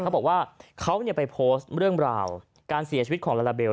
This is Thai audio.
เขาบอกว่าเขาไปโพสต์เรื่องราวการเสียชีวิตของลาลาเบล